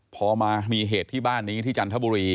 พอมามีเหตุที่บ้านนี้ที่จันทบุรี